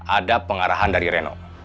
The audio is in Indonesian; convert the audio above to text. ada pengarahan dari reno